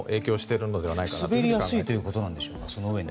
滑りやすいということでしょうか？